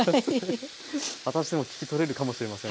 私でも聞き取れるかもしれません。